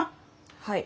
はい。